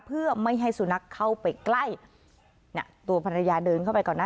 เพื่อไม่ให้สุนัขเข้าไปใกล้เนี่ยตัวภรรยาเดินเข้าไปก่อนนะ